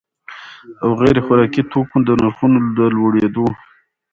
او غیر خوراکي توکو د نرخونو د لوړېدو